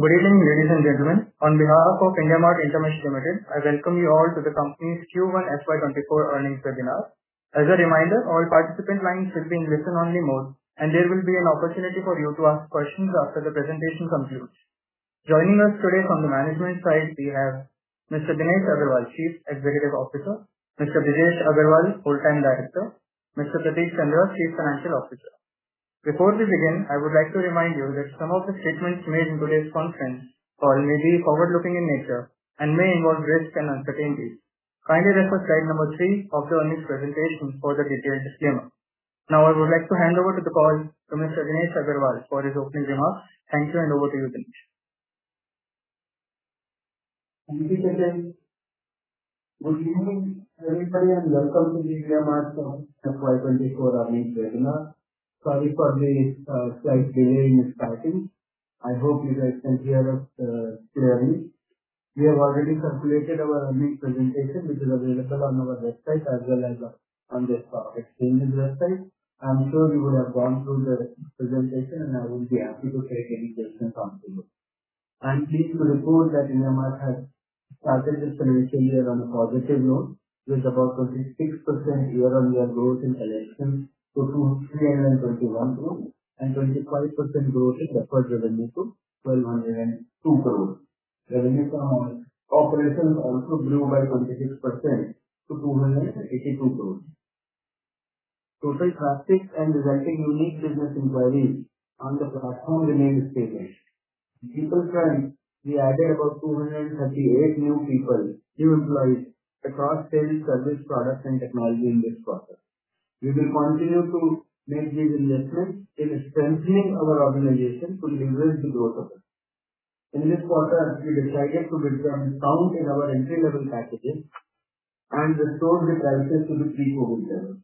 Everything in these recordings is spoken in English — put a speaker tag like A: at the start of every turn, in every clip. A: Good evening, ladies and gentlemen. On behalf of IndiaMART InterMESH Limited, I welcome you all to the company's Q1 FY24 earnings webinar. As a reminder, all participant lines will be in listen-only mode, and there will be an opportunity for you to ask questions after the presentation concludes. Joining us today from the management side, we have Mr. Dinesh Agarwal, Chief Executive Officer, Mr. Brijesh Agarwal, Whole-Time Director, Mr. Prateek Chandra, Chief Financial Officer. Before we begin, I would like to remind you that some of the statements made in today's conference call may be forward-looking in nature and may involve risks and uncertainties. Kindly refer to slide number three of the earnings presentation for the detailed disclaimer. I would like to hand over to the call to Mr. Dinesh Agarwal for his opening remarks. Thank you. Over to you, Dinesh.
B: Good evening, everybody, and welcome to the IndiaMART FY24 earnings webinar. Sorry for the slight delay in starting. I hope you guys can hear us clearly. We have already circulated our earnings presentation, which is available on our website as well as on the stock exchange website. I'm sure you would have gone through the presentation, and I would be happy to take any questions from you. I'm pleased to report that IndiaMART has started its financial year on a positive note, with about 36% year-on-year growth in collections to 321 crores and 25% growth in deferred revenue to 1,202 crores. Revenue from operations also grew by 26% to INR 282 crores. Total traffic and resulting unique business inquiries on the platform remained stable. In people time, we added about 238 new people, new employees across sales, service, product, and technology in this quarter. We will continue to make these investments in strengthening our organization to leverage the growth of it. In this quarter, we decided to return count in our entry-level packages and restore the prices to the pre-COVID level.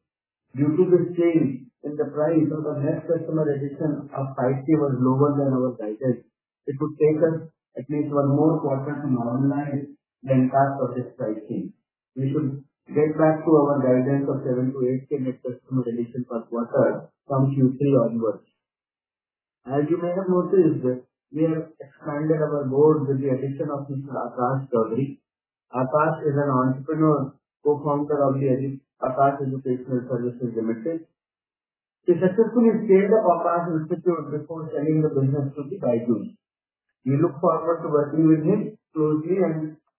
B: Due to this change in the price of the net customer addition of 5,000 was lower than our guidance. It would take us at least one more quarter to normalize the impact of this pricing. We should get back to our guidance of seven-eight net customer addition per quarter from Q3 onwards. As you may have noticed, we have expanded our board with the addition of Mr. Aakash Chaudhry. Aakash is an entrepreneur, co-founder of the Aakash Educational Services Limited. He successfully scaled up Aakash Institute before selling the business to the BYJU'S. We look forward to working with him closely and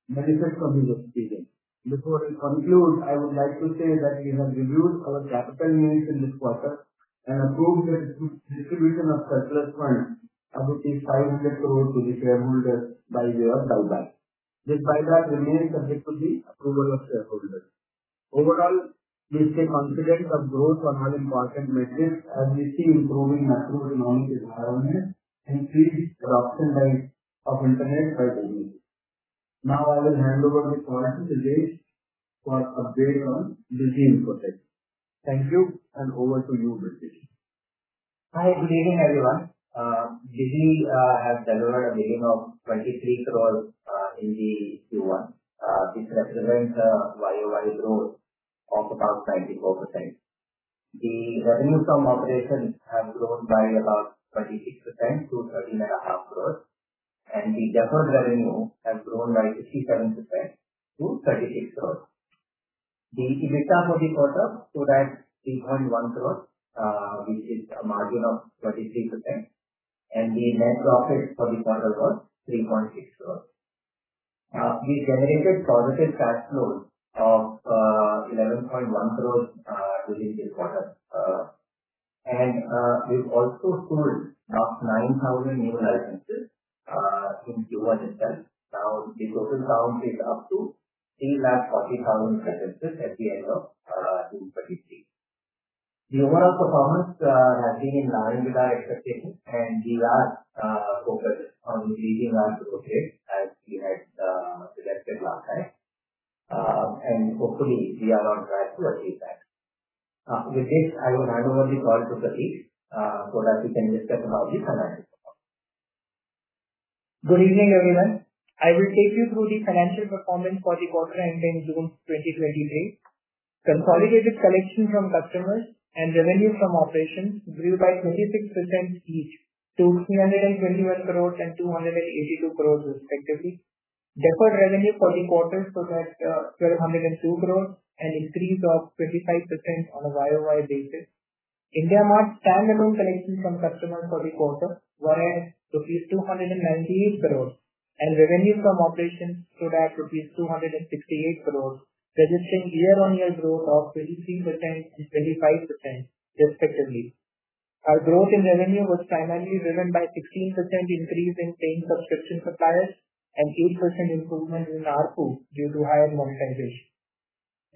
B: benefit from his experience. Before I conclude, I would like to say that we have reviewed our capital needs in this quarter and approved the distribution of surplus funds, as it is INR 500 crores to the shareholders by way of buyback. This buyback remains subject to the approval of shareholders. Overall, we stay confident of growth on all important metrics as we see improving macroeconomic environment and increased penetration of internet by business. I will hand over the call to Brijesh for update on Busy Infotech. Thank you, and over to you, Brijesh.
C: Hi, good evening, everyone. Busy has delivered a revenue of 23 crores in the Q1. This represents a YoY growth of about 94%. The revenue from operations have grown by about 36% to 13 and a half crores. The deferred revenue has grown by 37% to 36 crores. The EBITDA for the quarter stood at 3.1 crores, which is a margin of 33%. The net profits for the quarter was 3.6 crores. We generated positive cash flow of 11.1 crores within this quarter. We've also sold about 9,000 new licenses in Q1 itself. Now, the total count is up to 340,000 licenses at the end of June 2023. The overall performance has been in line with our expectations. We are focused on the Busy run project, as we had discussed it last time. Hopefully, we are on track to achieve that. With this, I will hand over the call to Prateek, so that we can discuss about the financial performance.
D: Good evening, everyone. I will take you through the financial performance for the quarter ending June 2023. Consolidated collection from customers and revenue from operations grew by 26% each to 321 crores and 282 crores, respectively. Deferred revenue for the quarter stood at 1,202 crores, an increase of 25% on a YoY basis. IndiaMART standalone collection from customers for the quarter were at rupees 298 crores, and revenue from operations stood at rupees 268 crores, registering year-on-year growth of 23%-25% respectively. Our growth in revenue was primarily driven by 16% increase in paying subscription suppliers and 8% improvement in ARPU due to higher monetization.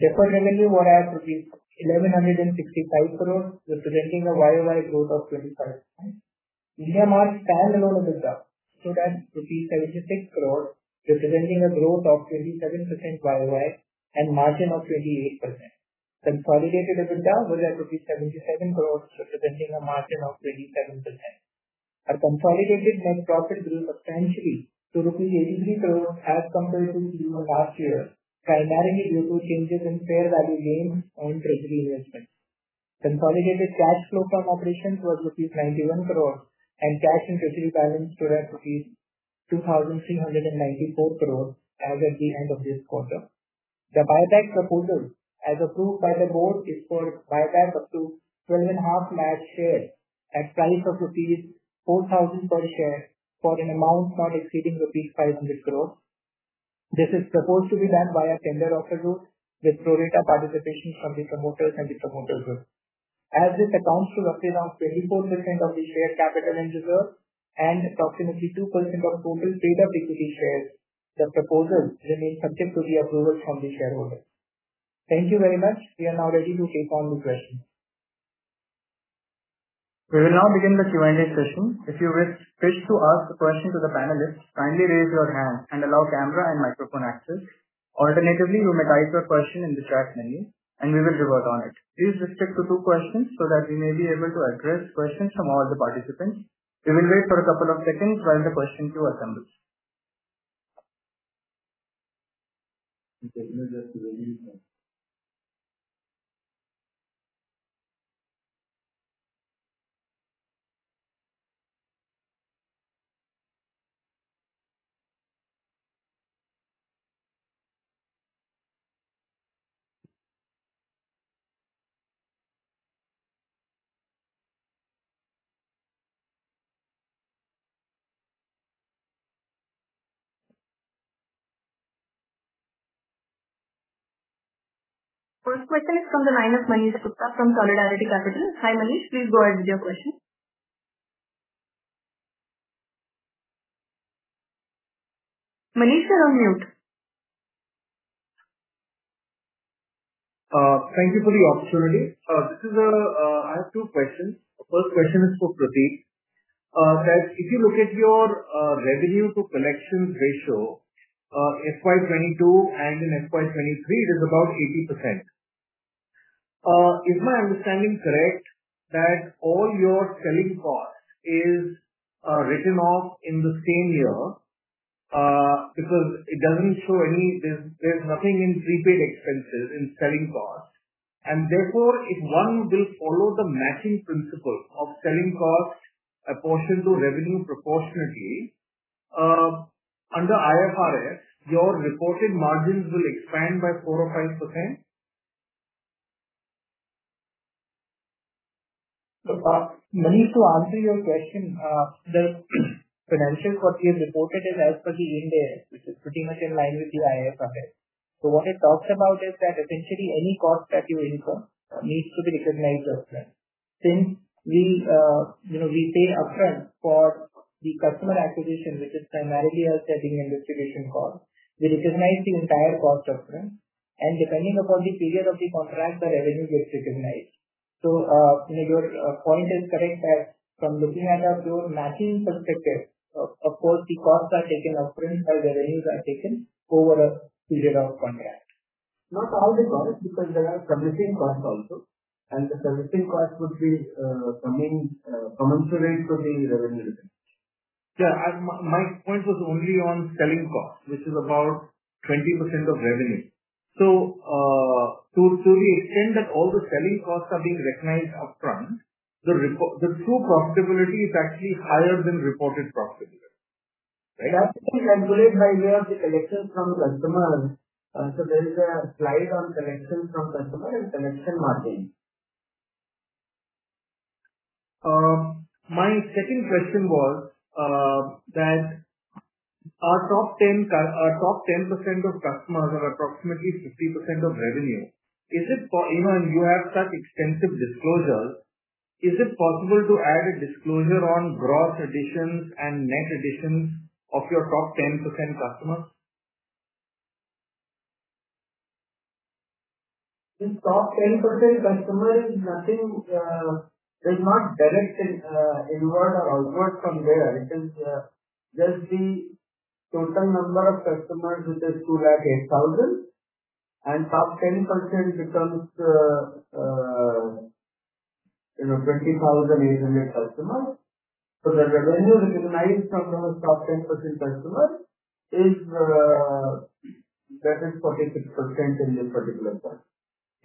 D: Deferred revenue were at 1,165 crores, representing a YoY growth of 25%. IndiaMART standalone EBITDA stood at 76 crores, representing a growth of 27% YoY and margin of 28%. Consolidated EBITDA was at 77 crores, representing a margin of 27%. Our consolidated net profit grew substantially to INR 83 crores as compared to last year, primarily due to changes in fair value gains on treasury investment. Consolidated cash flow from operations was rupees 91 crores, and cash and treasury balance were at rupees 2,394 crores as at the end of this quarter. The buyback proposal, as approved by the board, is for buyback up to 12.5 lakh shares at price of rupees 4,000 per share for an amount not exceeding rupees 500 crores. This is proposed to be done by a tender offer route with pro-rata participation from the promoters and the promoter group. As this accounts to around 24% of the share capital in Aerchain and approximately 2% of total paid-up equity shares, the proposal remains subject to the approval from the shareholders. Thank you very much. We are now ready to take on the questions.
A: We will now begin the Q&A session. If you wish to ask a question to the panelists, kindly raise your hand and allow camera and microphone access. Alternatively, you may type your question in the chat menu, and we will revert on it. Please restrict to two questions so that we may be able to address questions from all the participants. We will wait for a couple of seconds while the question queue assembles. Just waiting.
E: First question is from the line of Manish Gupta from Solidarity Advisors. Hi, Manish, please go ahead with your question. Manish, you're on mute.
F: Thank you for the opportunity. This is, I have two questions. First question is for Prateek Chandra. That if you look at your revenue to collection ratio, FY22 and in FY23, it is about 80%. Is my understanding correct that all your selling cost is written off in the same year? Because it doesn't show any, there's nothing in prepaid expenses, in selling costs, and therefore, if one will follow the matching principle of selling costs apportioned to revenue proportionately, under IFRS, your reported margins will expand by 4% or 5%?
D: Manish Gupta, to answer your question, the financial cost we have reported is as per the India, which is pretty much in line with the IFRS. What it talks about is that essentially any cost that you incur needs to be recognized upfront. Since we, you know, we pay upfront for the customer acquisition, which is primarily a setting and investigation cost, we recognize the entire cost upfront and depending upon the period of the contract, the revenue gets recognized. Your point is correct that from looking at a pure matching perspective, of course, the costs are taken upfront, while the revenues are taken over a period of contract. Not all the costs, because there are servicing costs also, and the servicing costs would be coming commensurate to the revenue.
F: Yeah, my point was only on selling costs, which is about 20% of revenue. To the extent that all the selling costs are being recognized upfront, the true profitability is actually higher than reported profitability.
D: Right. Actually, calculated by way of the collection from customers. There is a slide on collection from customer and collection margin.
F: My second question was that our top 10% of customers are approximately 50% of revenue. Is it for, you know, you have such extensive disclosures, is it possible to add a disclosure on gross additions and net additions of your top 10% customers?
D: The top 10% customer is nothing, does not direct inward or outward from there. It is just the total number of customers, which is 208,000, and top 10% becomes, you know, 20,800 customers. The revenue recognized from the top 10% customers is, that is 46% in this particular case.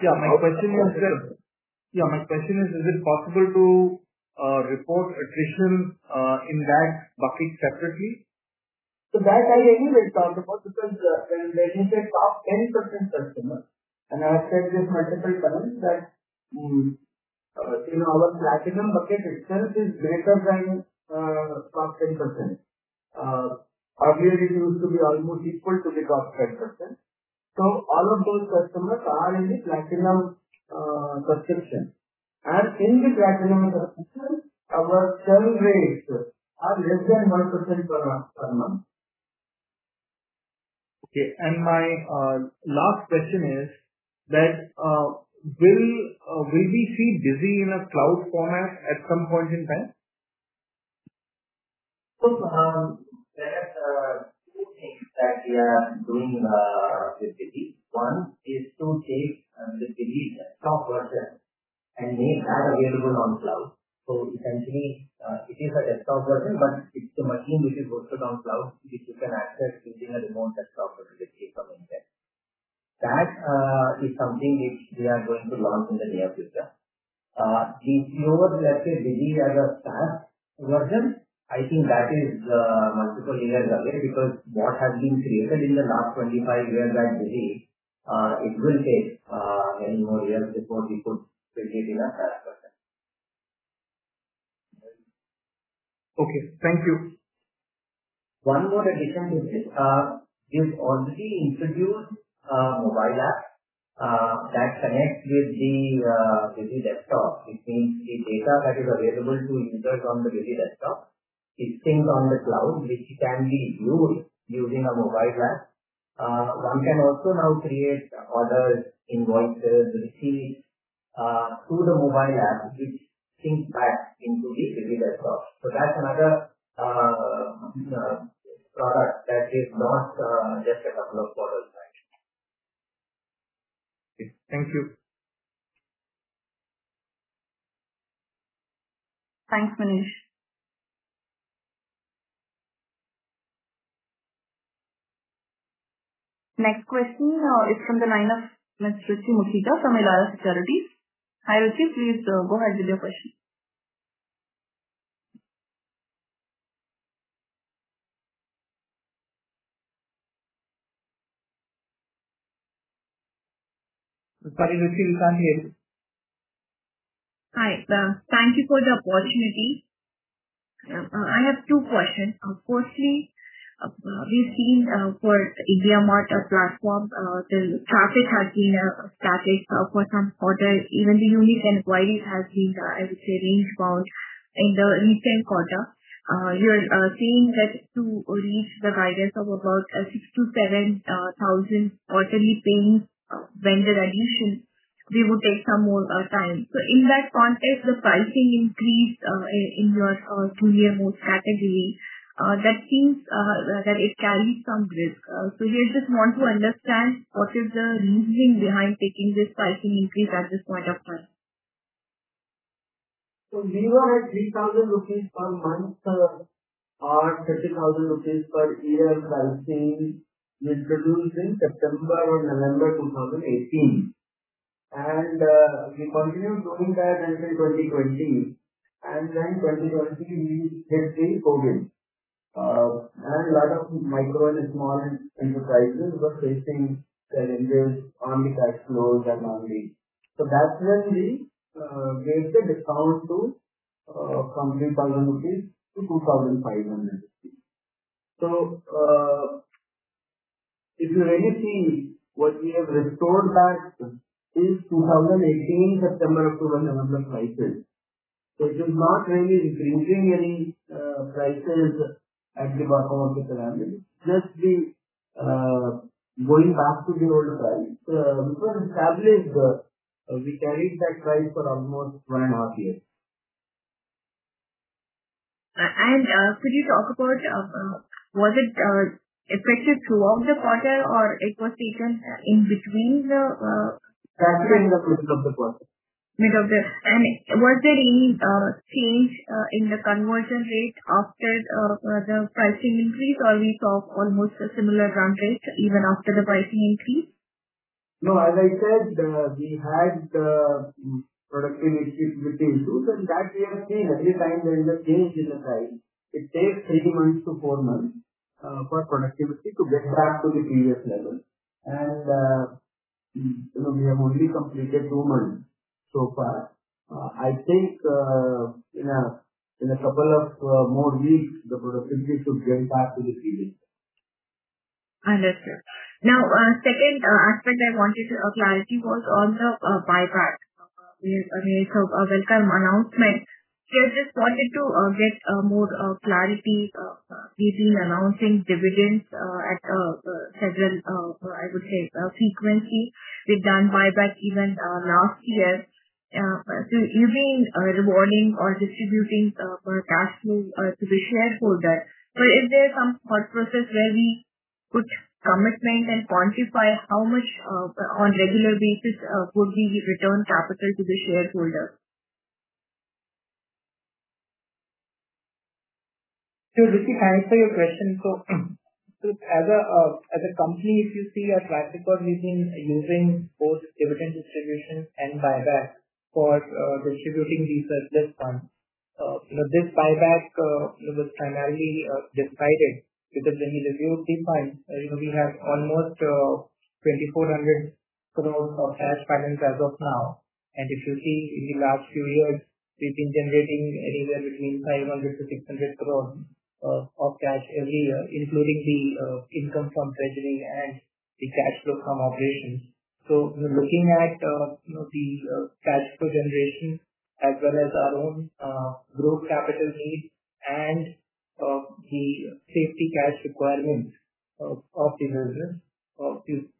F: My question is it possible to report addition in that bucket separately?
D: That I anyway talked about, because, when we say top 10% customer, and I have said this multiple times, that, you know, our Platinum bucket itself is greater than top 10%. Earlier it used to be almost equal to the top 10%. All of those customers are in the Platinum subscription, and in the Platinum subscription, our churn rates are less than 1% per month.
F: Okay. My last question is that, will we see Busy in a cloud format at some point in time?
B: There are two things that we are doing with Busy. One is to take the Busy desktop version and make that available on cloud. Essentially, it is a desktop version, but it's a machine which is hosted on cloud, which you can access within a remote desktop or specifically from inside. That is something which we are going to launch in the near future. The lower, let's say, Busy as a SaaS version, I think that is multiple years away, because what has been created in the last 25 years at Busy, it will take many more years before we could create it as a SaaS version.
F: Okay, thank you.
B: One more addition to this, we've already introduced a mobile app, that connects with the Busy desktop. It means the data that is available to users on the Busy desktop, it syncs on the cloud, which can be viewed using a mobile app. One can also now create orders, invoices, receipts, through the mobile app, which syncs back into the Busy desktop. That's another product that is not just a couple of quarters back.
F: Okay. Thank you.
E: Thanks, Manish. Next question is from the line of Ruchi Mukhija from Elara Securities. Hi, Ruchi, please go ahead with your question. Sorry, Ruchi, we can't hear you.
G: Hi, thank you for the opportunity. I have two questions. Firstly, we've seen for IndiaMART platform, the traffic has been static for some quarter. Even the unique employees has been, I would say, range bound in the recent quarter. You're saying that to reach the guidance of about 6,000-7,000 quarterly paying vendor additions, they would take some more time. In that context, the pricing increase in your two-year growth category that seems that it carries some risk. We just want to understand what is the reasoning behind taking this pricing increase at this point of time?
D: We were at INR 3,000 per month, or INR 30,000 per year pricing, which was in September or November 2018. We continued doing that until 2020, then in 2020 we hit the COVID. A lot of micro and small enterprises were facing challenges on the cash flows and normally. That's when we gave the discount to, from 3,000 rupees to 2,500 rupees. If you really see what we have restored back is 2018, September to November prices. It is not really increasing any prices at the bottom of the pyramid, just the going back to the old price. It was established, we carried that price for almost two and a half years.
G: Could you talk about, was it affected throughout the quarter or it was taken in between the?
D: That's in the middle of the quarter.
G: Was there any change in the conversion rate after the pricing increase, or we saw almost a similar run rate even after the pricing increase?
D: No, as I said, we had productivity issues. That we have seen every time there is a change in the price, it takes three months to four months for productivity to get back to the previous level. We have only completed two months so far. I think in a couple of more weeks, the productivity should get back to the previous.
G: Understood. Now, second aspect I wanted clarity was on the buyback. It's a welcome announcement. We just wanted to get more clarity. We've been announcing dividends at a several, I would say, frequently. We've done buyback even last year. You've been rewarding or distributing our cash to the shareholder. Is there some thought process where we put commitment and quantify how much on regular basis, could we return capital to the shareholder?
D: Ruchi, thanks for your question. As a company, if you see our track record, we've been using both dividend distribution and buyback for distributing these surplus funds. You know, this buyback, you know, was primarily decided because when we reviewed, we find, you know, we have almost 2,400 crores of cash balance as of now. If you see in the last few years, we've been generating anywhere between 500 crores-600 crores of cash every year, including the income from treasury and the cash flow from operations. Looking at, you know, the cash flow generation as well as our own growth capital needs and the safety cash requirements of the business,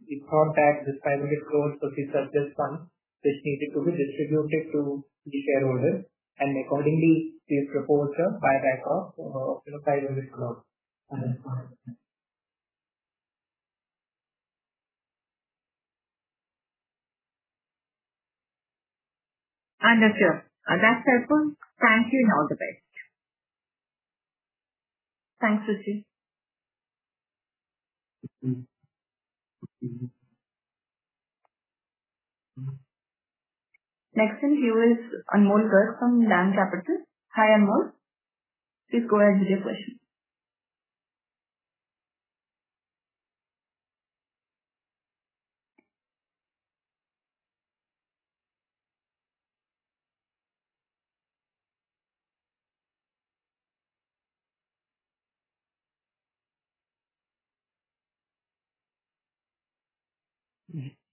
D: we found that this INR 500 crore was a surplus fund which needed to be distributed to the shareholders. Accordingly, we proposed a buyback of, you know, INR 500 crore. Understood.
G: Understood. That's helpful. Thank you, and all the best.
E: Thanks, Ruchi. Next in queue is Anmol Garg from DAM Capital. Hi, Anmol. Please go ahead with your question.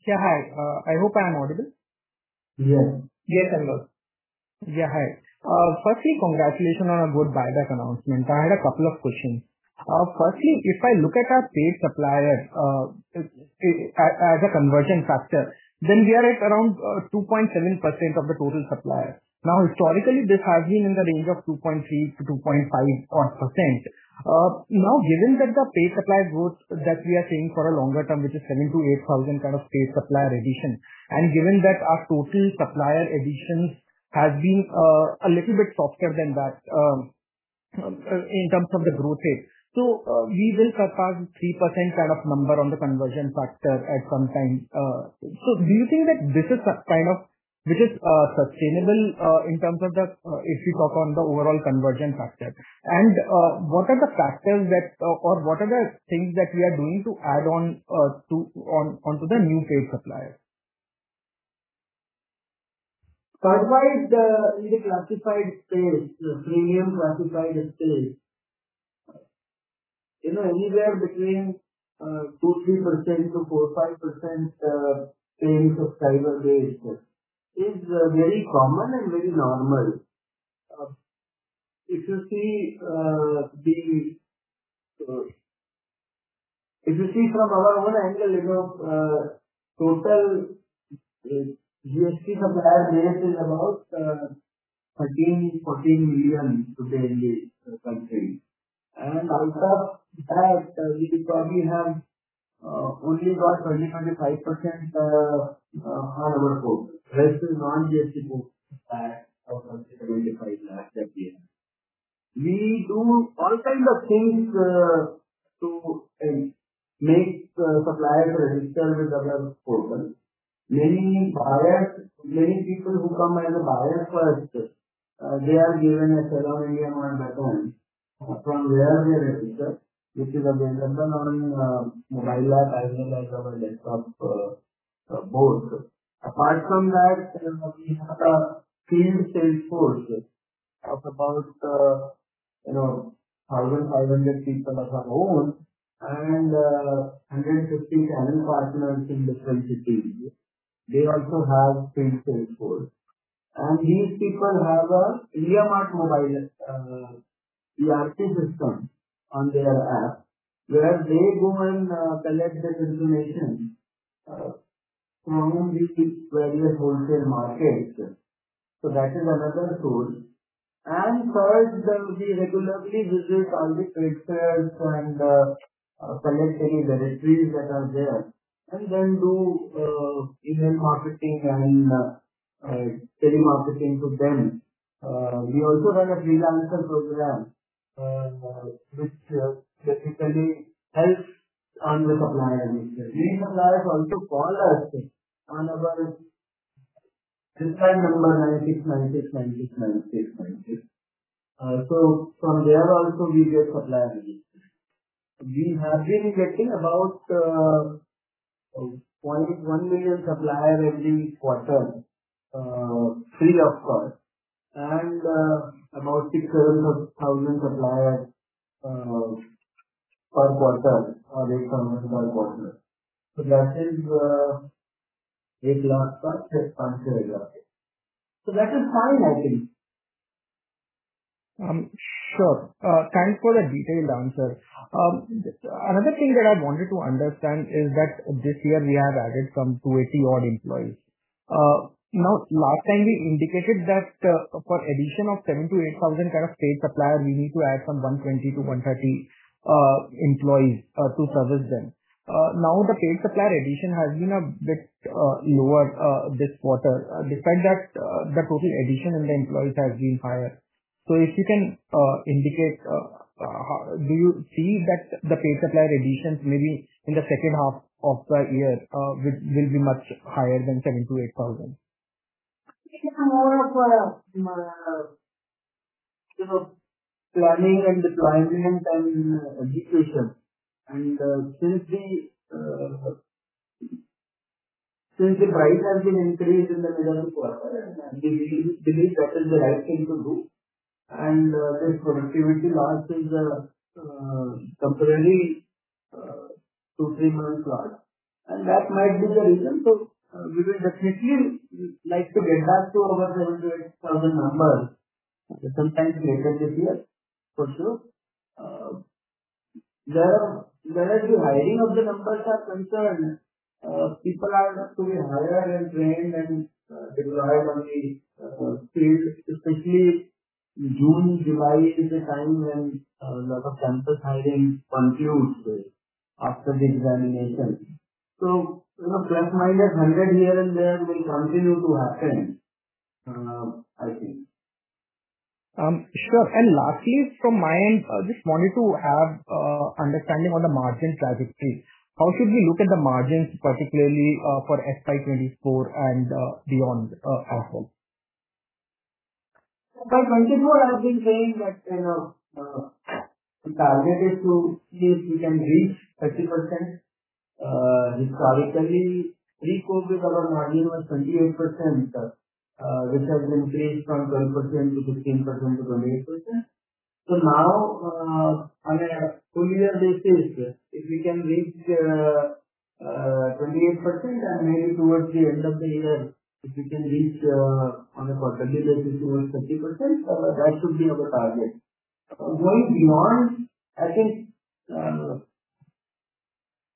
H: Yeah, hi. I hope I am audible. Yes.
B: Yes, Anmol.
H: Yeah, hi. Firstly, congratulations on a good buyback announcement. I had a couple of questions. Firstly, if I look at our paid supplier, as a conversion factor, then we are at around 2.7% of the total supplier. Historically, this has been in the range of 2.3%-2.5% odd. Given that the paid supplier growth that we are seeing for a longer term, which is 7,000-8,000 kind of paid supplier addition, and given that our total supplier additions has been a little bit softer than that, in terms of the growth rate. We will surpass 3% kind of number on the conversion factor at some time. Do you think that this is the kind of, which is sustainable, in terms of the, if you talk on the overall conversion factor? What are the factors that, or what are the things that we are doing to add onto the new paid supplier?
B: First wise, the in the classified space, the premium classified space, you know, anywhere between 2%-3% to 4%-5% paying subscriber base is very common and very normal. If you see from our own angle, you know, total GST supplier base is about 13 million-14 million today in the country. On top of that, we probably have only about 20%-25% on our book, rest is non-GST books at around INR 25 lakh that we have. We do all kinds of things to make suppliers register with our portal. Many buyers, many people who come as a buyer first, they are given a seller Indian one button from where they register, which is available on mobile app as well as our desktop portal. Apart from that, you know, we have a field sales force of about, you know, 1,500 people of our own and 150 channel partners in different cities. They also have field sales force, and these people have a IndiaMART mobile ERP system on their app, where they go and collect this information from the various wholesale markets. That is another source. Third, we regularly visit all the traders and select any directories that are there, and then do email marketing and telemarketing to them. We also run a freelancer program, which typically helps on the supplier register. These suppliers also call us on our helpline number 9696969696. From there also, we get supplier register. We have been getting about 0.1 million supplier every quarter free of cost, and about 6,000-7,000 suppliers per quarter, they come in per quarter. That is, INR 8 lakh plus INR 600,000. That is fine, I think.
H: Sure. Thanks for the detailed answer. Another thing that I wanted to understand is that this year we have added some 280 odd employees. Now, last time we indicated that, for addition of 7,000-8,000 kind of paid supplier, we need to add some 120-130 employees, to service them. Now, the paid supplier addition has been a bit lower this quarter, despite that, the total addition in the employees has been higher. If you can indicate, do you see that the paid supplier additions maybe in the second half of the year, which will be much higher than 7,000-8,000?
B: It's more of a, you know, planning and deployment and education. Since the prices have been increased in the middle of the quarter, we believe that is the right thing to do. The productivity loss is temporarily two, three months odd, and that might be the reason. We will definitely like to get back to our 7,000-8,000 numbers, sometimes later this year, for sure. Where the hiring of the numbers are concerned, people are to be hired and trained and deployed on the street, especially June, July is a time when lot of campus hiring concludes after the examinations. You know, plus minus 100 here and there will continue to happen, I think.
H: Sure. Lastly, from my end, I just wanted to have understanding on the margin trajectory. How should we look at the margins, particularly for FY 24 and beyond also?
B: By 24, I've been saying that, you know, the target is to see if we can reach 30%. Historically, pre-COVID, our margin was 28%, which has been changed from 12%-15%-28%. Now, on a full year basis, if we can reach 28% and maybe towards the end of the year, if we can reach on a quarterly basis, towards 30%, that should be our target. Going beyond, I think,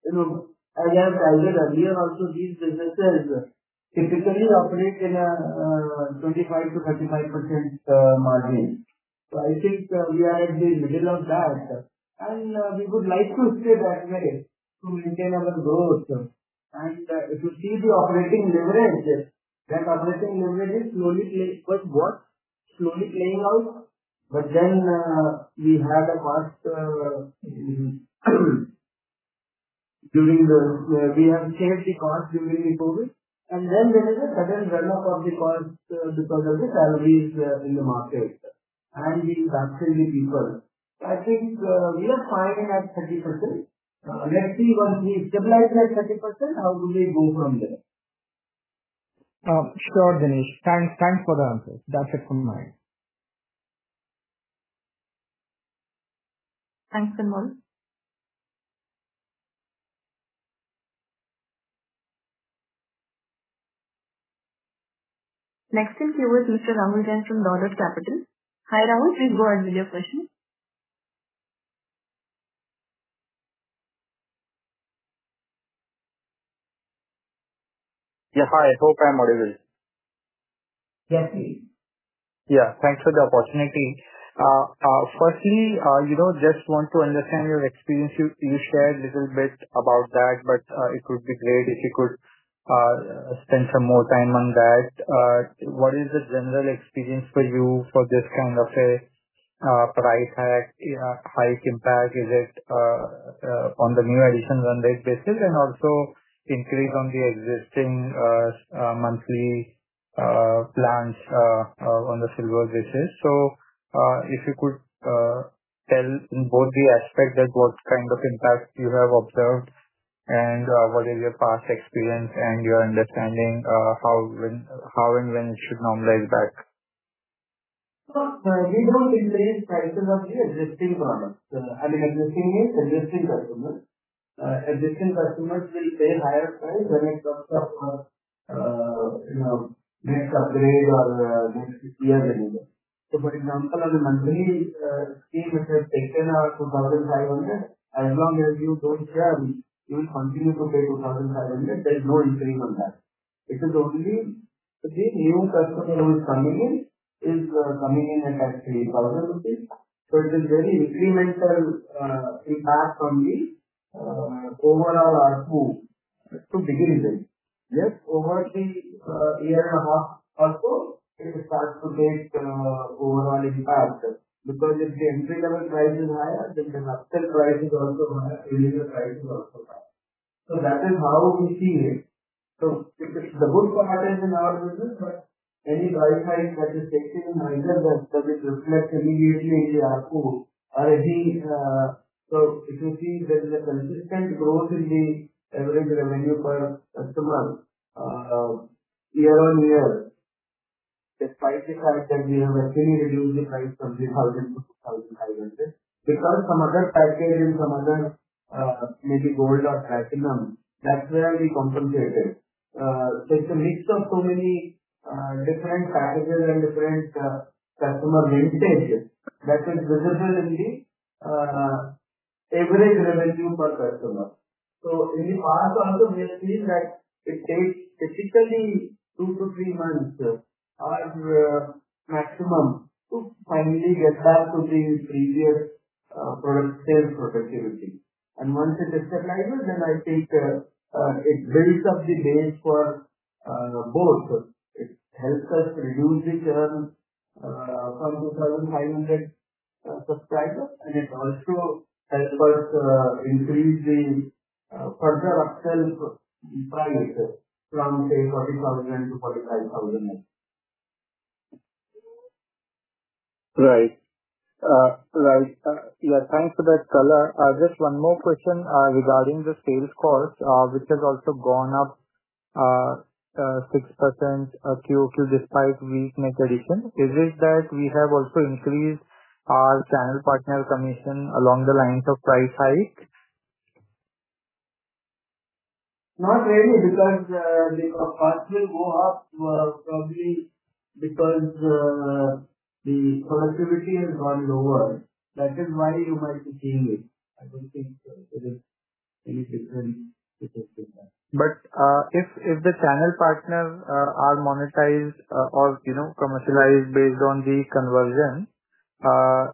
B: you know, as I said earlier, also these businesses typically operate in a 25%-35% margin. I think we are in the middle of that, and we would like to stay that way to maintain our growth. If you see the operating leverage, that operating leverage is slowly playing out. We have changed the cost during the COVID, and then there is a sudden run-up of the cost because of the salaries in the market, and the salary people. I think we are fine at 30%. Let's see, once we stabilize at 30%, how do we go from there?
H: Sure, Dinesh. Thanks for the answer. That's it from my end.
E: Thanks, Anmol. Next in queue is Mr. Rahul Jain from Dolat Capital. Hi, Rahul, please go and give your question.
I: Yeah, hi. Hope I'm audible.
E: Yes, please.
I: Yeah, thanks for the opportunity. firstly, you know, just want to understand your experience. You, you shared a little bit about that, but it would be great if you could spend some more time on that. What is the general experience for you for this kind of price hike impact? Is it on the new additions on that basis, and also increase on the existing monthly plans on the Silver basis. If you could tell in both the aspects that what kind of impact you have observed and what is your past experience and your understanding, how, when, how and when it should normalize back?
B: We don't increase prices of the existing products. I mean, existing is existing customers. Existing customers will pay higher price when it comes to, you know, next upgrade or next year anyway. For example, on the monthly scheme, it has taken our 2,500. As long as you don't change, you'll continue to pay 2,500. There is no increase on that. It is only the new customer who is coming in, is coming in at 3,000 rupees. It is very incremental impact on the overall ARPU to begin with. Just over the year and a half or so, it starts to make overall impact, because if the entry level price is higher, then the upper price is also higher, earlier price is also higher. That is how we see it. It's the good part is in our business, any price hike that is taken in either, that is reflected immediately in the ARPU or any. If you see there is a consistent growth in the average revenue per customer, year-on-year, despite the fact that we have actually reduced the price from INR 3,000 to INR 2,500, because some other package and some other, maybe Gold or Platinum, that's where we compensated. There's a mix of so many different packages and different customer vintage that is visible in the average revenue per customer. In the past also, we have seen that it takes typically two to three months or maximum to finally get back to the previous product sales productivity. Once it is stabilized, then I think, it builds up the base for, both. It helps us reduce the term, from 2,500 subscribers, and it also helps us, increase the, further upsell the price from say, 40,000 to 45,000.
I: Right. Right. Yeah, thanks for that color. Just one more question regarding the sales cost, which has also gone up 6% Q2 despite weak net addition. Is it that we have also increased our channel partner commission along the lines of price hike?
B: Not really, because, the cost will go up, probably because, the productivity has gone lower. That is why you might be seeing it. I don't think it is anything different.
I: If the channel partners are monetized, or, you know, commercialized based on the conversion,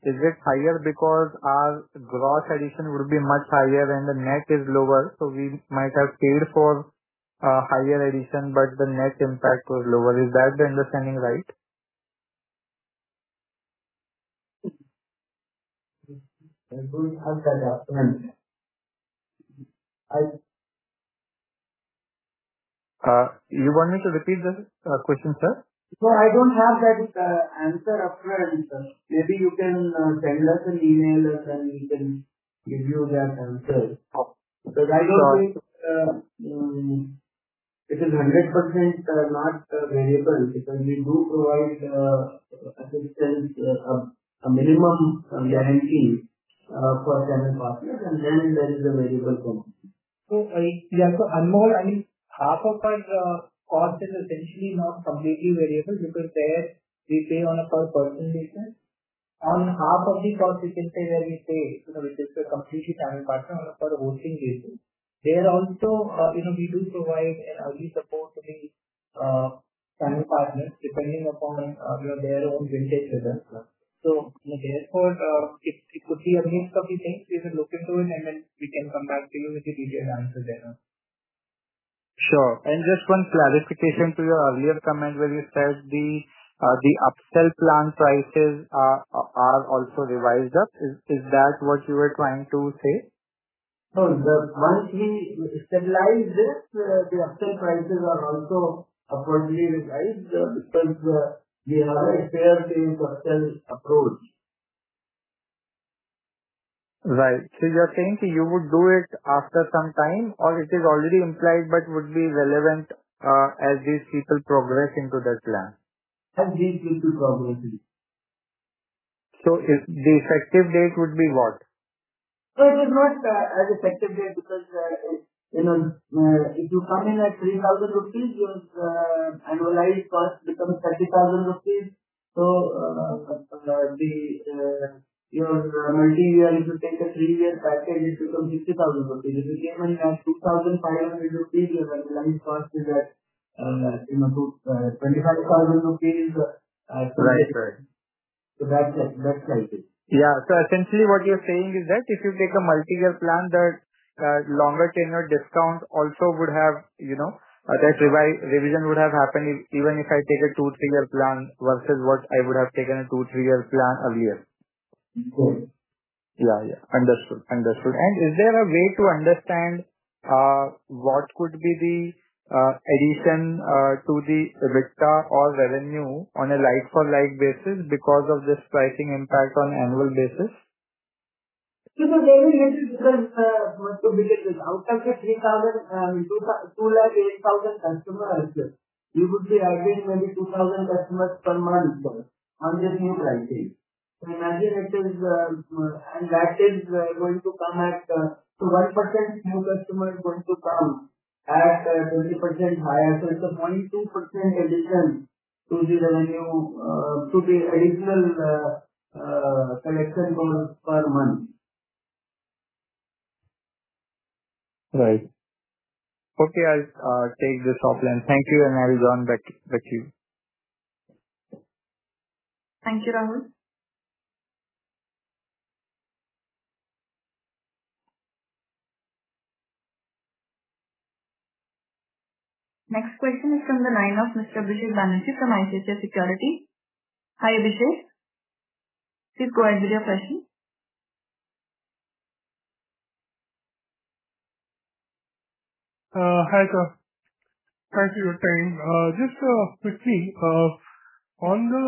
I: is it higher because our gross addition would be much higher and the net is lower, so we might have paid for a higher addition, but the net impact was lower. Is that the understanding, right?
B: We have that answer.
I: You want me to repeat the question, sir?
B: No, I don't have that answer upfront, sir. Maybe you can send us an email, and we can give you that answer.
I: Okay.
B: Because I don't think, it is 100% not variable, because we do provide assistance, a minimum guarantee, for channel partners, and then there is a variable form. And more, I mean, half of our cost is essentially not completely variable, because there we pay on a per person basis. On half of the cost, we can say, we pay, you know, which is a completely channel partner on a per hosting basis. There also, you know, we do provide an early support to the channel partners, depending upon their own vintage business. Therefore, it could be a mix of the things we will look into and then we can come back to you with a detailed answer there.
I: Sure. Just one clarification to your earlier comment, where you said the upsell plan prices are also revised up. Is that what you were trying to say?
B: The once we stabilize this, the upsell prices are also accordingly revised, because we have a fair pay upsell approach.
I: Right. you're saying that you would do it after some time, or it is already implied, but would be relevant, as these people progress into this plan?
B: As these people progress.
I: If the effective date would be what?
B: It is not as effective date, because, you know, if you come in at 3,000 rupees, your annualized cost becomes 30,000 rupees. The, your multi-year, if you take a 3-year package, it becomes 50,000 rupees. If you came in at 2,500 rupees, your annualized cost is at, you know, 25,000 rupees.
I: Right. Right.
B: That's likely.
I: Essentially what you're saying is that if you take a multi-year plan, that longer tenure discount also would have, you know, that revision would have happened even if I take a 2, 3-year plan versus what I would have taken a 2, 3-year plan a year.
B: Mm-hmm.
I: Yeah. Yeah. Understood. Understood. Is there a way to understand what could be the addition to the EBITDA or revenue on a like-for-like basis because of this pricing impact on annual basis?
B: There will be a difference to business. Out of the 3,000, 208,000 customer out there, you could see again, maybe 2,000 customers per month on the new pricing. Imagine it is. That is going to come at, so 1% new customer is going to come at 20% higher. It's a 0.2% addition to the revenue, to the additional collection per month.
I: Right. Okay, I'll take this offline. Thank you. I'll join back the queue.
E: Thank you, Rahul. Next question is from the line of Mr. Abhisek Banerjee from ICICI Securities. Hi, Abhisek. Please go ahead with your question.
J: Hi, sir. Thank you for your time. Just quickly on the,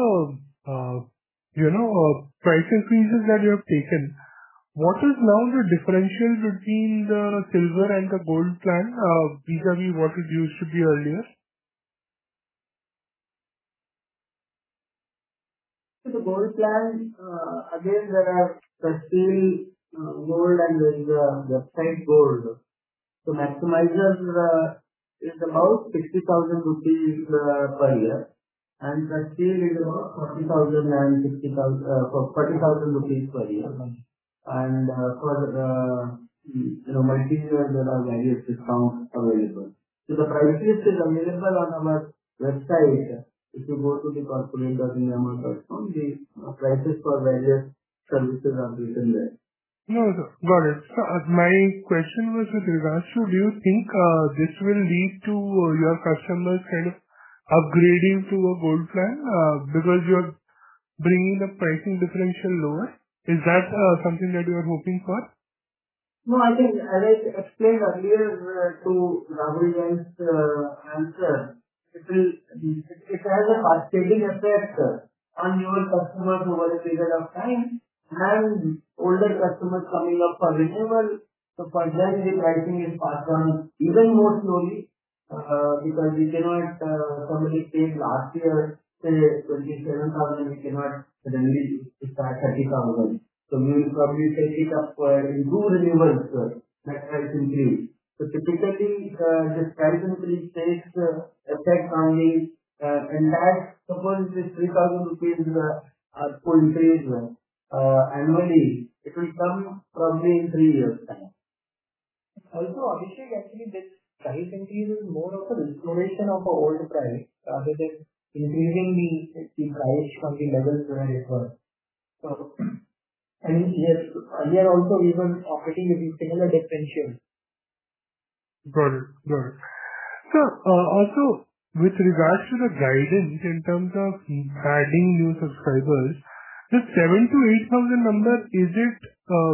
J: you know, pricing changes that you have taken, what is now the differential between the Silver and the Gold plan, vis-à-vis what it used to be earlier?
B: The Gold plan, again, there are still, Gold and there is a site Gold. Maximiser is about INR 60,000 per year, and the scale is around 40,000 and 60,000, 40,000 rupees per year. For, you know, multi-year, there are various discounts available. The price list is available on our website. If you go to the corporate.indiamart.com, the prices for various services are given there.
J: No, got it. My question was, with regards to, do you think, this will lead to your customers kind of upgrading to a Gold plan, because you're bringing the pricing differential lower? Is that, something that you are hoping for?
B: I think as I explained earlier, to Rahul, and answer, it has a scheduling effect on your customers over a period of time and older customers coming up for renewal. For them, the pricing is passed on even more slowly, because we cannot, somebody paid last year, say INR 27,000, we cannot suddenly start INR 30,000. We will probably take it up for in two renewals, that has increased. Typically, the pricing takes effect only, and that suppose it's 3,000 rupees full increase, annually, it will come probably in three years time. Abhishek, actually this price increase is more of a restoration of the old price rather than increasing the price from the levels where it was. We are also even operating with similar differentials.
J: Got it. Got it. Also with regards to the guidance in terms of adding new subscribers, the 7,000-8,000 number, is it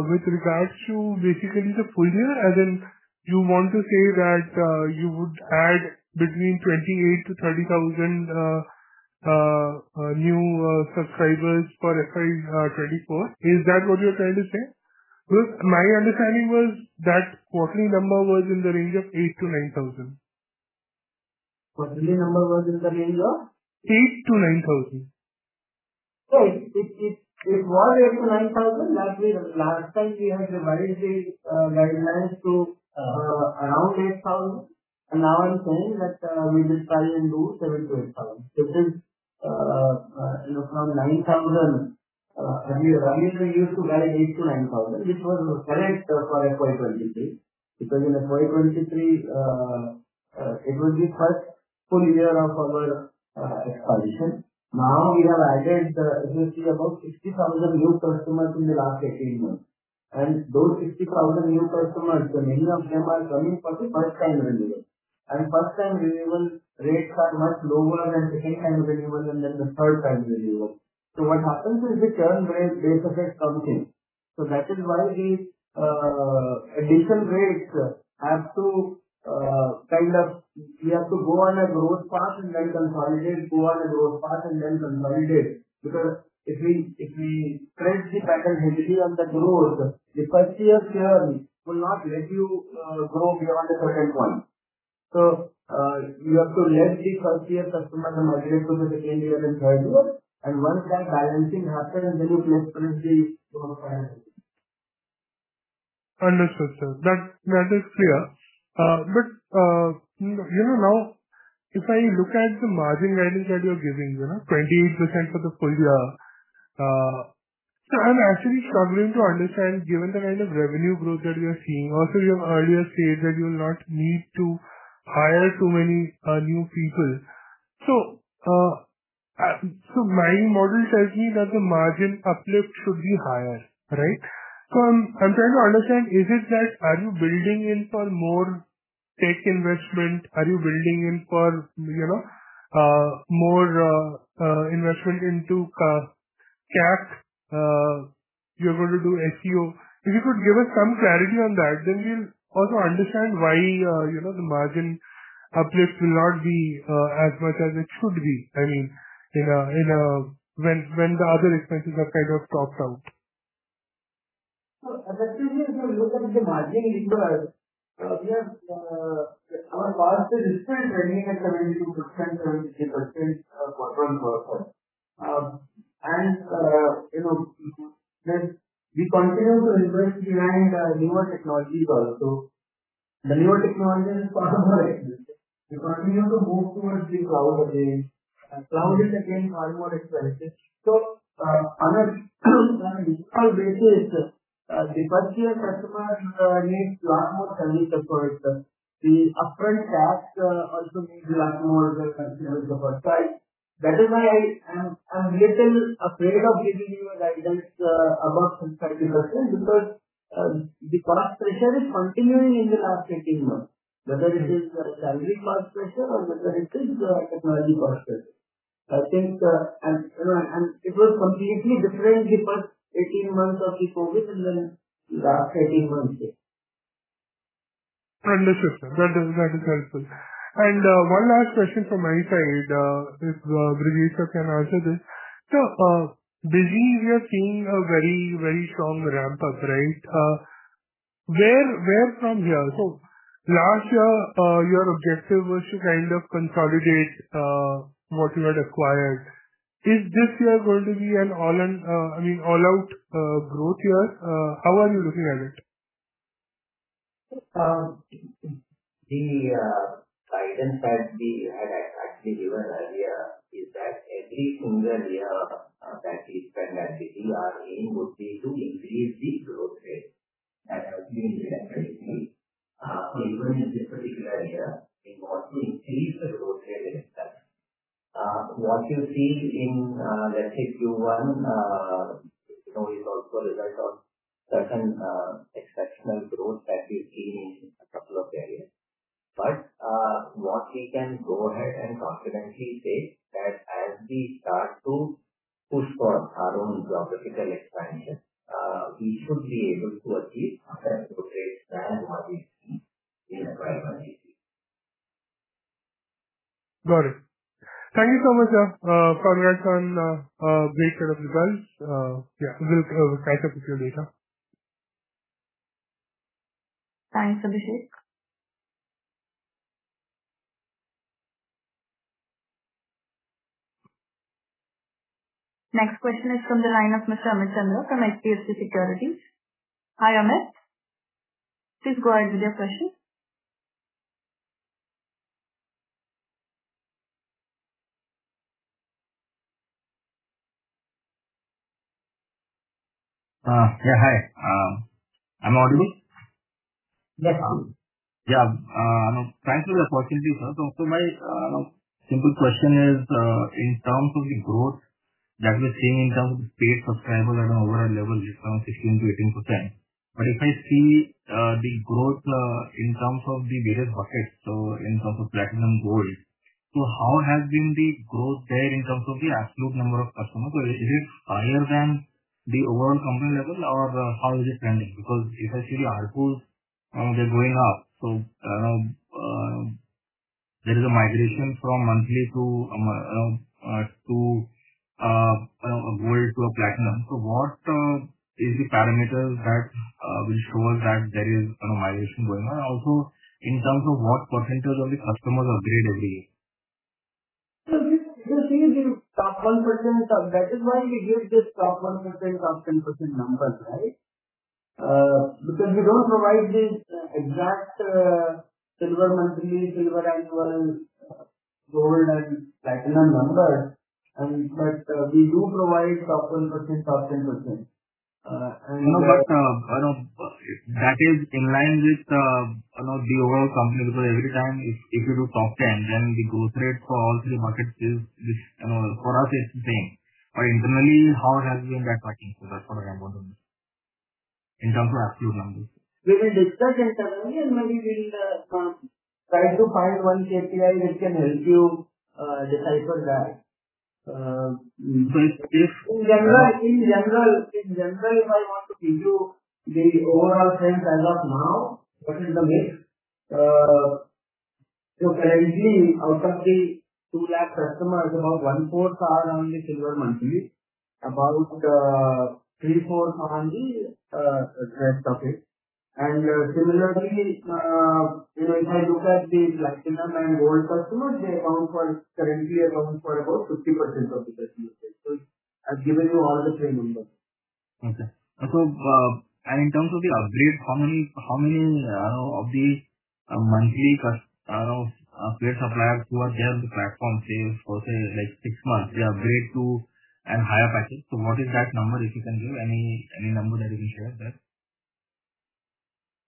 J: with regards to basically the full year? As in, you want to say that you would add between 28,000-30,000 new subscribers for FY24. Is that what you're trying to say? My understanding was that quarterly number was in the range of 8,000-9,000.
B: Quarterly number was in the range of?
J: 8,000-9,000.
B: It was 8,000-9,000. That means last time we had revised the guidelines to around 8,000, and now I'm saying that we decided to do 7,000-8,000. This is from 9,000. Earlier we used to guide 8,000-9,000. It was correct for FY23, because in FY23, it was the first full year of our expansion. Now, we have added roughly about 60,000 new customers in the last 18 months. Those 60,000 new customers, many of them are coming for the first time renewal. First-time renewal rates are much lower than the second-time renewal and then the third-time renewal. What happens is the churn rate effect comes in. That is why the addition rates have to kind of... We have to go on a growth path and then consolidate, go on a growth path and then consolidate. If we, if we stretch the pattern heavily on the growth, the first-year churn will not let you grow beyond the current point. You have to let the first-year customer migrate to the second year and third year, and once that balancing happens, then you can print the growth pattern.
J: Understood, sir. That is clear. You know, now, if I look at the margin guidance that you are giving, you know, 28% for the full year, I'm actually struggling to understand, given the kind of revenue growth that you're seeing. Also, you have earlier said that you will not need to hire too many new people. My model tells me that the margin uplift should be higher, right? I'm trying to understand, is it that are you building in for more tech investment? Are you building in for, you know, more investment into CAC? You're going to do SEO. If you could give us some clarity on that, then we'll also understand why, you know, the margin uplift will not be as much as it should be. I mean, in a, when the other expenses are kind of topped out.
B: Effectively, if you look at the margin numbers, we have, our cost is still remaining at 72%, 73% quarter on quarter. You know, we continue to invest behind newer technologies also. The newer technologies are more expensive. We continue to move towards the cloud again, and cloud is again, one more expensive. On a default basis, the first-year customer needs lot more service support. The upfront CAC also needs lot more consideration the first time. That is why I'm little afraid of giving you a guidance above some 50%, because the cost pressure is continuing in the last 18 months.
J: Mm-hmm.
B: Whether it is the salary cost pressure or whether it is the technology cost pressure. I think, and it was completely different, the first 18 months of the COVID and then the last 18 months.
J: Understood, sir. That is helpful. One last question from my side, if Brijesh Agarwal can answer this. Busy, we are seeing a very, very strong ramp-up, right? Where from here? Last year, your objective was to kind of consolidate what you had acquired. Is this year going to be an all-in, I mean, all-out growth year? How are you looking at it?
C: The guidance that we had actually given earlier is that every single year that we spend at Busy run, our aim would be to increase the growth rate. That has been the strategy. Even in this particular year, we want to increase the growth rate as such. What you see in, let's say, Q1, you know, is also a result of certain exceptional growth that we've seen in a couple of areas. What we can go ahead and confidently say, that as we start to push for our own geographical expansion, we should be able to achieve our growth rates than what we've seen in the prior years.
J: Got it. Thank you so much, congrats on great set of results. Yeah, we'll catch up with you later.
E: Thanks, Abhishek. Next question is from the line of Mr. Amit Chandra from HDFC Securities. Hi, Amit, please go ahead with your question.
K: Yeah, hi Am I audible?
E: Yes.
K: Thanks for the opportunity, sir. My simple question is, in terms of the growth that we're seeing in terms of the paid subscriber and overall level is around 16%-18%. If I see the growth in terms of the various buckets, in terms of Platinum, Gold, how has been the growth there in terms of the absolute number of customers? Is it higher than the overall company level or how is it trending? Because if I see the ARPU, they're going up. There is a migration from monthly to Gold to a Platinum. What is the parameters that will show us that there is a migration going on? In terms of what percent of the customers upgrade every year?
B: This, you see the top 1%, that is why we give this top 1%, top 10% numbers, right? because we don't provide the exact, Silver monthly, Silver annual, Gold and Platinum numbers. we do provide top 1%, top 10%.
K: I know that is in line with, you know, the overall company, because every time if you do top 10, then the growth rate for all three markets is, you know, for us it's the same. Internally, how has been that tracking? That's what I want to know, in terms of absolute numbers.
B: We will discuss internally, and maybe we'll try to find one KPI which can help you decipher that.
K: So if-
B: In general, if I want to give you the overall trend as of now, what is the mix? Currently out of the 2 lakh customers, about one fourth are on the Silver monthly, about three fourths are on the direct topic. Similarly, you know, if I look at the Platinum and Gold customers, they currently account for about 50% of the customer base. I've given you all the three numbers.
K: Okay. In terms of the upgrade, how many of the monthly paid subscribers who are there on the platform, like six months, they upgrade to a higher package. What is that number, if you can give any number that you can share there?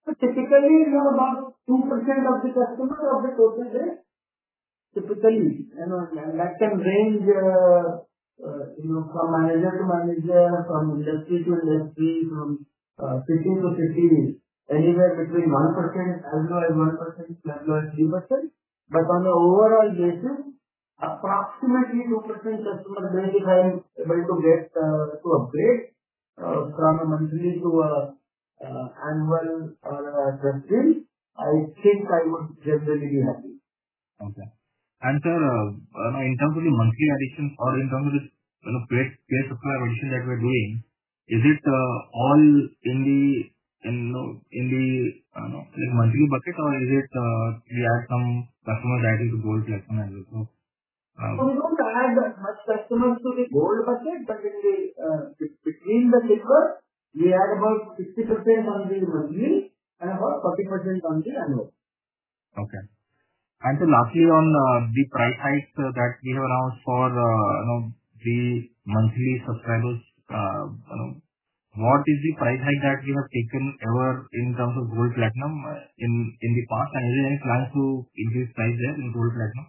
B: Typically, we have about 2% of the customers of the total base. Typically, you know, that can range, you know, from manager to manager, from industry to industry, from city to city, anywhere between 1%, as low as 1%, as high as 3%. On the overall basis, approximately 2% customers are trying, able to get to upgrade from a monthly to a annual subscription. I think I would generally be happy.
K: Okay. Sir, in terms of the monthly additions or in terms of this, you know, paid subscriber addition that we're doing, is it all in the monthly bucket or is it we add some customers adding to Gold, Platinum as well?
B: We don't add much customers to the Gold bucket, but in the, between the Silver, we add about 60% on the monthly and about 40% on the annual.
K: Okay. lastly on, you know, the price hike that we have announced for, you know, the monthly subscribers, what is the price hike that you have taken ever in terms of Gold, Platinum, in the past? Any plans to increase price there in Gold, Platinum?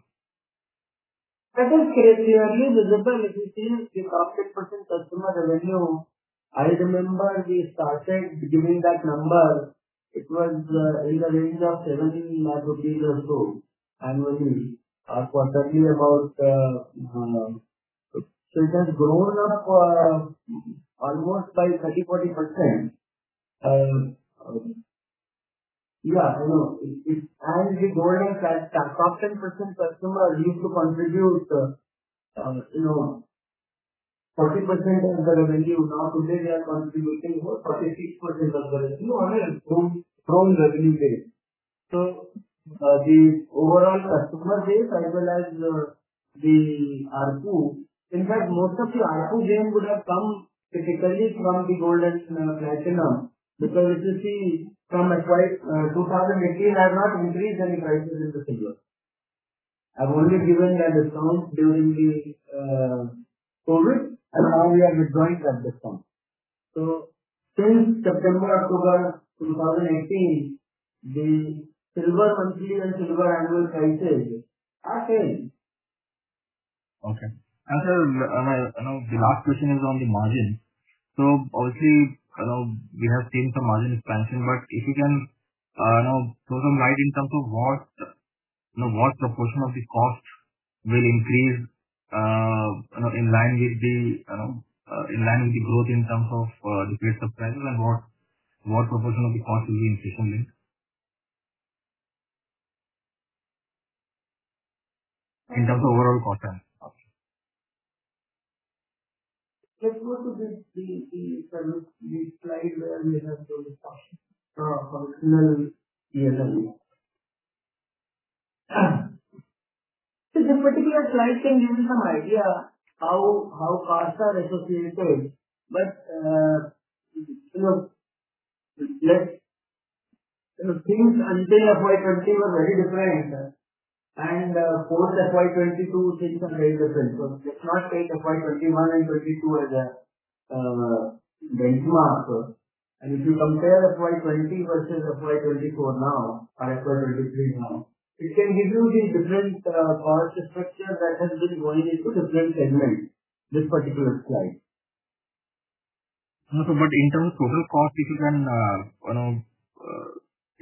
B: That is clearly visible. If you see the top 10% customer revenue, I remember we started giving that number. It was in the range of 17 lakh rupees or so, annually, quarterly about... It has grown up almost by 30%-40%. Yeah, I know, it, and the growth of top 10% customer used to contribute, you know, 40% of the revenue. Now, today, they are contributing about 48% of the revenue on a Gold revenue base. The overall customer base as well as the ARPU, in fact, most of the ARPU gain would have come typically from the Gold and Platinum, because if you see from quite 2018, I have not increased any prices in the Silver. I've only given a discount during the COVID. Now we are withdrawing that discount. Since September, October 2018, the Silver monthly and Silver annual prices are same.
K: Okay. Sir, now the last question is on the margin. Obviously, we have seen some margin expansion, but if you can now throw some light in terms of what, you know, what proportion of the cost will increase, you know, in line with the in line with the growth in terms of the paid subscribers and what proportion of the cost will be increasingly? In terms of overall cost.
B: Let's go to the slide where we have those costs, functional ESOP. This particular slide can give you some idea how costs are associated. You know, Things until FY 20 were very different, and post FY 22, things are very different. Let's not take FY 21 and 22 as a benchmark. If you compare FY 20 versus FY 24 now, or FY 23 now, it can give you the different cost structure that has been going into different segments, this particular slide.
K: No, sir, but in terms of total cost, if you can, you know,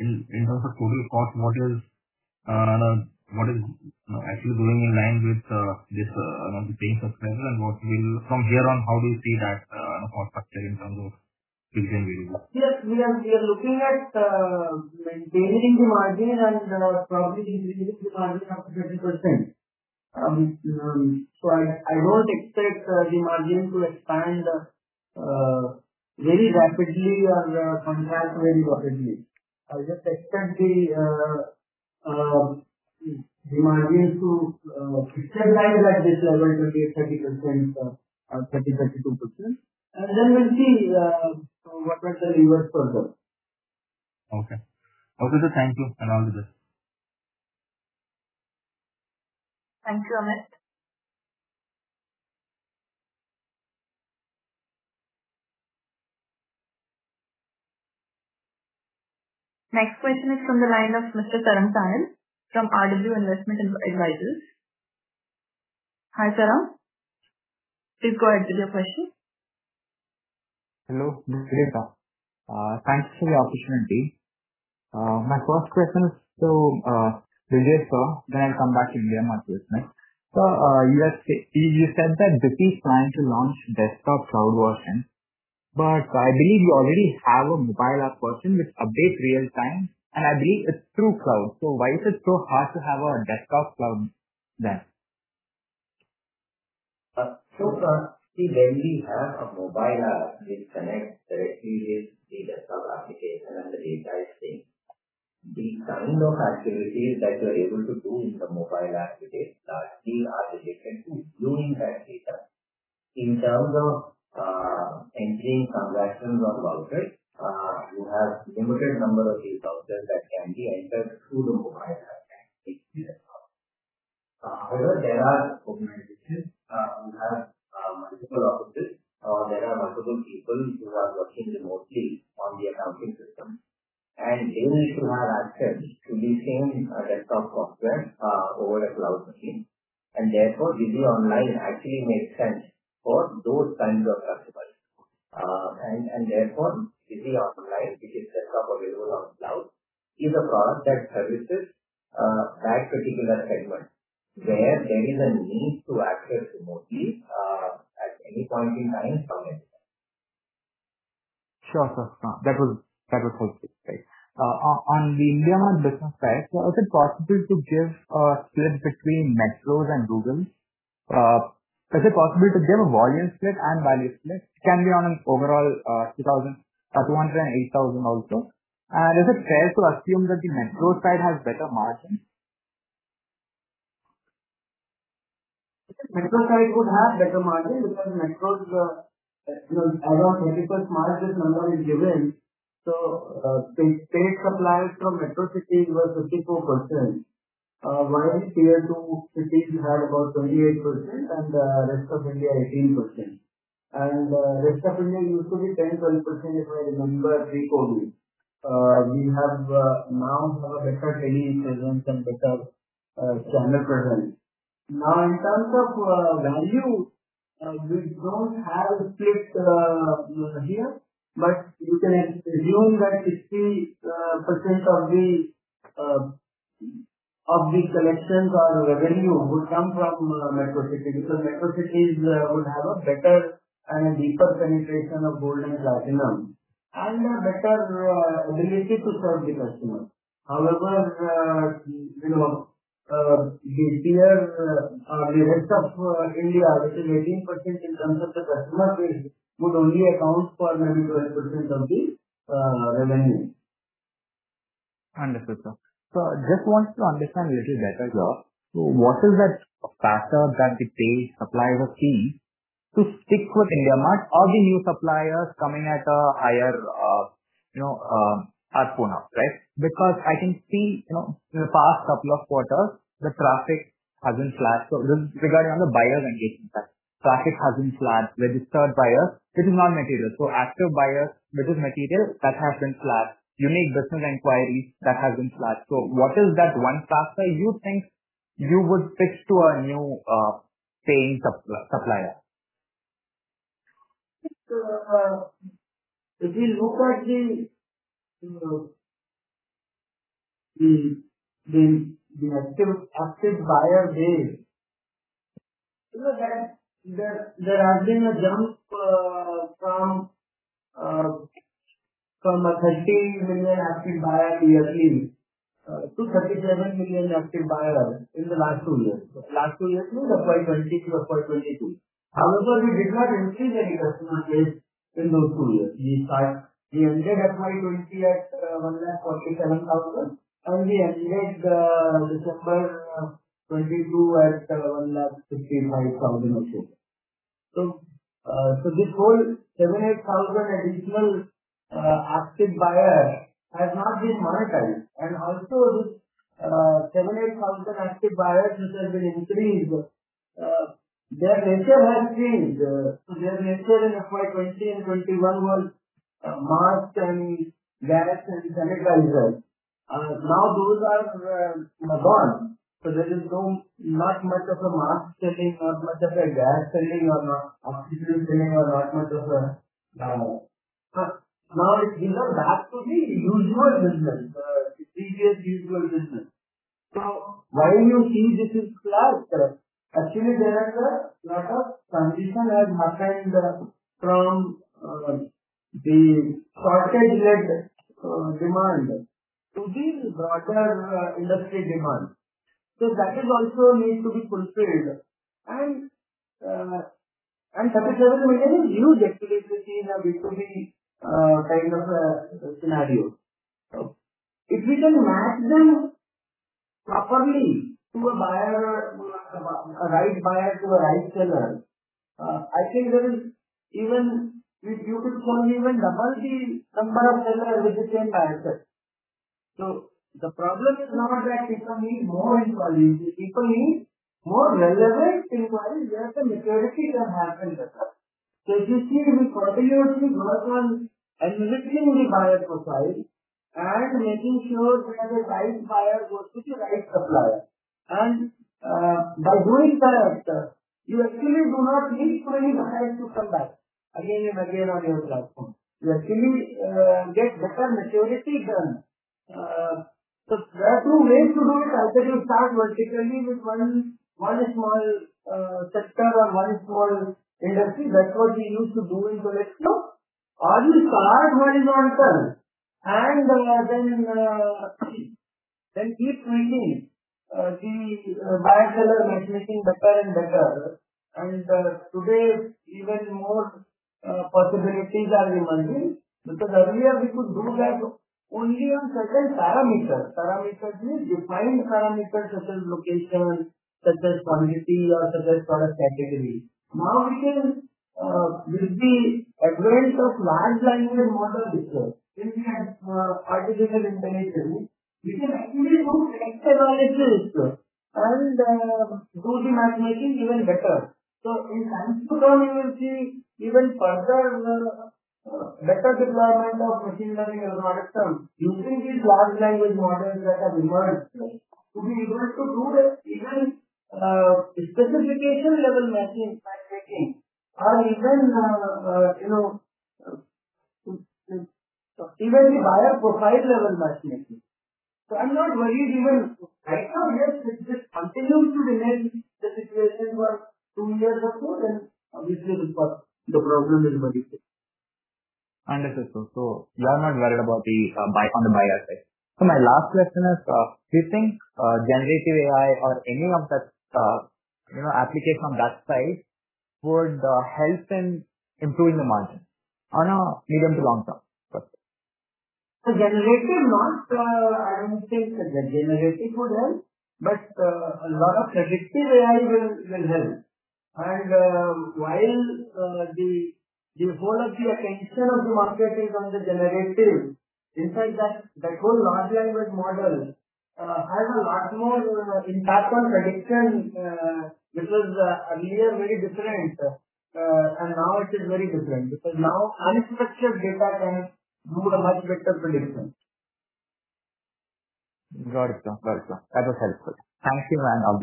K: in terms of total cost, what is, you know, actually going in line with this paying subscriber and from here on, how do you see that cost structure in terms of revenue?
B: Yes, we are looking at maintaining the margin and probably increasing the margin up to 30%. I don't expect the margin to expand very rapidly or contract very rapidly. I just expect the margins to fix at, like, this around 28%-30%, or 30%-32%. We'll see what was the reverse further.
K: Okay. Okay, sir. Thank you, and all the best.
E: Thank you, Amit. Next question is from the line of Mr. Sarang Sanil from RW Investment Advisors. Hi, Sarang. Please go ahead with your question.
L: Hello, Brijesh, thanks for the opportunity. My first question is to Brijesh sir, then I'll come back to IndiaMART please, next. Sir, you said that Busy is planning to launch desktop cloud version. I believe you already have a mobile app version which updates real time, and I believe it's through cloud. Why is it so hard to have a desktop cloud then?
C: When we have a mobile app, which connects directly with the desktop application and the data is same. The kind of activities that you're able to do in the mobile application are still limited to viewing that data. In terms of entering some vouchers or vouchers, you have limited number of these vouchers that can be entered through the mobile app. However, there are organizations which have multiple offices, or there are multiple people who are working remotely on the accounting system, and they need to have access to the same desktop software over a cloud machine. Therefore, Busy Online actually makes sense for those kinds of customers. Therefore, Busy Online, which is desktop available on cloud, is a product that services that particular segment, where there is a need to access remotely, at any point in time from anywhere.
L: Sure, sir. That was perfect. Right. On the IndiaMART business side, is it possible to give a split between metros and rural? Is it possible to give a volume split and value split? It can be on an overall 2,208,000 also. Is it fair to assume that the metro side has better margins?
B: Metro side would have better margin because metros, you know, as a physical margin number is given. The paid suppliers from metro cities were 54%, while tier two cities we had about 28%, and rest of India, 18%. Rest of India used to be 10%-12%, if I remember correctly. We have now have a better trainee in presence and better standard presence. In terms of, value, we don't have split here, but you can assume that 50% of the of the collections or revenue would come from metro cities. Because metro cities would have a better and a deeper penetration of Gold and Platinum and a better ability to serve the customer. You know, the tier, the rest of India, which is 18% in terms of the customer base, would only account for maybe 12% of the revenue.
L: Understood, sir. Just want to understand a little better, sir. What is that factor that the paid supplier see to stick with IndiaMART or the new suppliers coming at a higher, you know, as point of, right? Because I can see, you know, in the past couple of quarters, the traffic has been flat. This is regarding on the buyer engagement side. Traffic has been flat, registered buyers, this is not material. Active buyers, this is material that has been flat. Unique business inquiry that has been flat. What is that one factor you think you would switch to a new, paying supplier?
B: If you look at the active buyer base, there has been a jump from a 30 million active buyer yearly to 37 million active buyers in the last two years. Last two years means FY20 to FY22. However, we did not increase the customer base in those two years. We ended FY20 at 147,000, and we ended December 2022 at 155,000, I think. This whole 7,000-8,000 additional active buyers has not been monetized. Also, this 7,000-8,000 active buyers, which has been increased, their nature has changed. Their nature in FY20 and FY21 was mask and gloves and sanitizers, so there is no not much of a mask selling, not much of a gloves selling or oxygen selling or not much of that. Now it's gone back to the usual business, previous usual business. While you see this is flat, actually there is a lot of transition that has happened from the shortage-led demand to the broader industry demand. That is also needs to be fulfilled. That is also a huge activity which is a B2B kind of scenario. If we can match them properly to a buyer, to a right buyer, to a right seller, I think there is even we could for even double the number of sellers with the same buyers. The problem is not that people need more inquiries, people need more relevant inquiries where the maturity has happened better. If you see, we continuously work on enriching the buyer profile and making sure that the right buyer goes to the right supplier. By doing that, you actually do not need for any buyers to come back again and again on your platform. You actually get better maturity then. There are two ways to do it. Either you start vertically with one small sector or one small industry. That's what we used to do or you start horizontal and then keep tweaking the buyer-seller matchmaking better and better. Today, even more possibilities are emerging, because earlier we could do that only on certain parameters. Parameters means you find parameters such as location, such as quantity or such as product category. We can, with the advent of large language model business, in the artificial intelligence, we can actually do extra analysis and do the matchmaking even better. In coming years, we will see even further better development of machine learning algorithms using these large language models that have emerged, to be able to do that even specification-level matching, matchmaking, or even, you know, even the buyer profile-level matchmaking. I'm not worried even right now, we are just continuing to manage the situation for two years or more, then obviously the problem will reduce.
L: Understood. You are not worried about the on the buyer side. My last question is, do you think generative AI or any of that, you know, application on that side would help in improving the margin on a medium to long term?
B: Generative, not, I don't think the generative would help, but a lot of predictive AI will help. While the whole of the attention of the market is on the generative, in fact, that whole large language model has a lot more impact on prediction, because earlier very different, and now it is very different because now unstructured data can do a much better prediction.
L: Got it, sir. That was helpful. Thank you, and all the best.